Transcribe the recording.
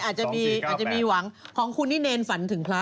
อาจจะมีหวังของคุณนี่เนรฝันถึงพระ